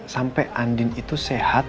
sampai andin itu sehat